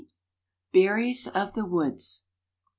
BERRIES OF THE WOODS.